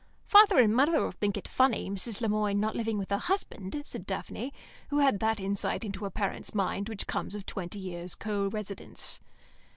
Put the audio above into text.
"Father and mother'll think it funny, Mrs. Le Moine not living with her husband," said Daphne, who had that insight into her parents' minds which comes of twenty years co residence.